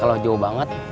kalau jauh banget